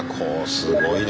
すごいね。